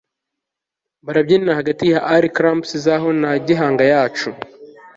barabyina hagati ya arclamps zabo na gihanga yacu